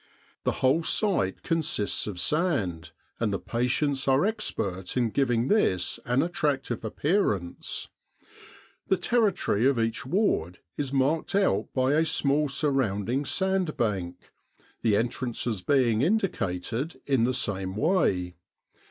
The whole site consists of sand, and the patients are expert in giving this an attractive appear ance. The territory of each ward is marked out by a small surrounding sand bank, the entrances being indicated in the same way.